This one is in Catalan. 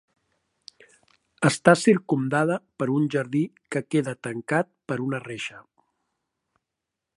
Està circumdada per un jardí que queda tancat per una reixa.